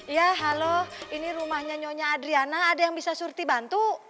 ya halo ini rumahnya nyonya adriana ada yang bisa surti bantu